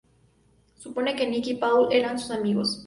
Suponen que Nikki y Paulo eran sus amigos.